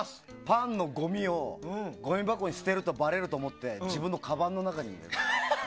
パンのごみをごみ箱に捨てるとばれると思って自分のかばんの中に。